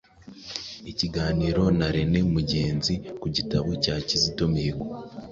Ikiganiro na Rene Mugenzi ku gitabo cya Kizito Mihigo